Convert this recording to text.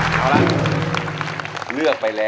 ใช้